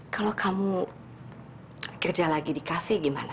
kalau kamu kerja lagi di cafe gimana